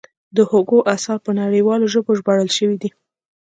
د هوګو اثار په نړیوالو ژبو ژباړل شوي دي.